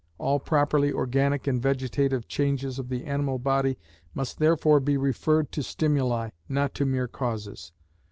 All properly organic and vegetative changes of the animal body must therefore be referred to stimuli, not to mere causes.